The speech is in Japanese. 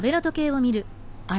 あれ？